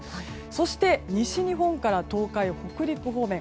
そして、西日本から東海、北陸方面